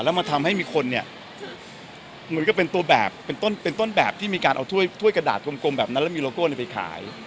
แล้วมาทำให้มีคนเป็นต้นแบบที่มีการเอาถ้วยกระดาษกลมแบบนั้นแล้วมีโลโก้ไปขาย